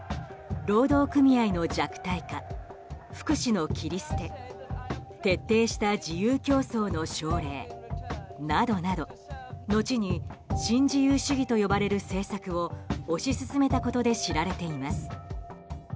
労働組合の弱体化福祉の切り捨て徹底した自由競争の奨励などなど後に新自由主義と呼ばれる政策を推し進めたことで知られています。